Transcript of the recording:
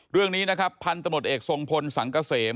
เรื่องนี้นะครับพันธุ์ตะโมดเอกสงพลสังกะเสม